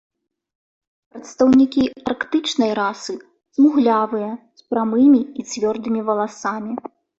Прадстаўнікі арктычнай расы смуглявыя, з прамымі і цвёрдымі валасамі.